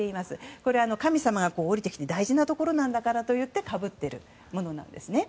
これは神様が降りてくる大事なところなんだからということでかぶっているんですね。